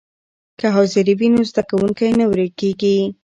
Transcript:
که حاضري وي نو زده کوونکی نه ورکېږي.